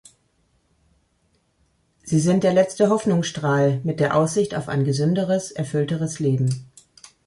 Sie sind der letzte Hoffnungsstrahl mit der Aussicht auf ein gesünderes, erfüllteres Leben.